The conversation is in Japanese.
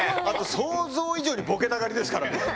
あと想像以上にボケたがりですからね。